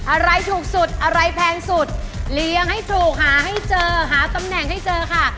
อะไรถูกสุดอะไรแพงสุดเลี้ยงให้ถูกหาให้เจอหาตำแหน่งให้เจอค่ะ